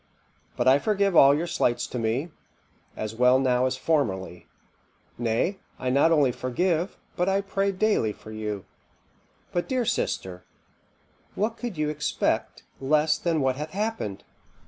But I forgive all your slights to me, as well now as formerly. Nay, I not only forgive, but I pray daily for you. But, dear sister, what could you expect less than what hath happened?